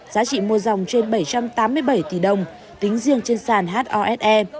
giá trị mua dòng trên bảy trăm tám mươi bảy tỷ đồng tính riêng trên sàn hose